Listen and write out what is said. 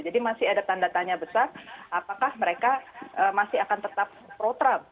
jadi masih ada tanda tanya besar apakah mereka masih akan tetap pro trump